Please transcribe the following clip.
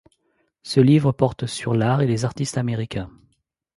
Ce livre porte sur l'art et les artistes américains.